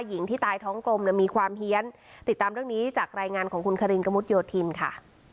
หญิงที่ตายท้องกลมเนี่ยมีความเฮียนติดตามเรื่องนี้จากรายงานของคุณคารินกระมุดโยธินค่ะ